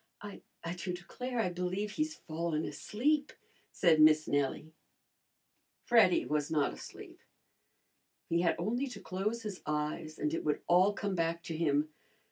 "I do declare, I believe he's fallen asleep," said Miss Nellie. Freddy was not asleep. He had only to close his eyes and it would all come back to him.